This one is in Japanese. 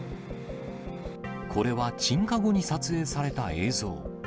これは鎮火後に撮影された映像。